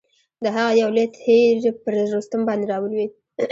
د هغه یو لوی تیر پر رستم باندي را ولوېد.